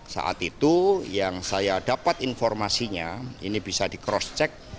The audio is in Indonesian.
saat itu yang saya dapat informasinya ini bisa di cross check